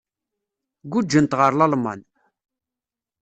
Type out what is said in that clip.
Gguǧǧent ɣer Lalman.